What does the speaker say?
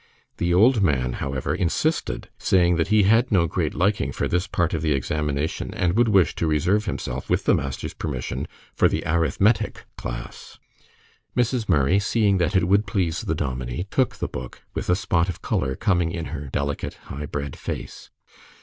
The old man, however, insisted, saying that he had no great liking for this part of the examination, and would wish to reserve himself, with the master's permission, for the "arith MET ic" class. Mrs. Murray, seeing that it would please the dominie, took the book, with a spot of color coming in her delicate, high bred face.